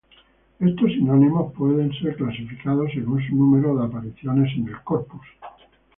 Estos sinónimos pueden ser clasificados según su número de apariciones en el corpus.